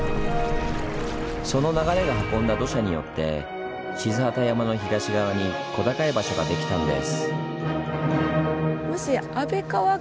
その流れが運んだ土砂によって賤機山の東側に小高い場所ができたんです。